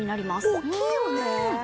大きいよね！